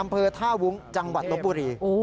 อำเภอท่าวุ้งจังหวัดลบบุรี